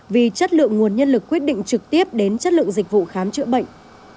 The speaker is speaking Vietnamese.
vì chất lượng nguồn nhân lực quyết định trực tiếp đến chất lượng dịch vụ khám chữa bệnh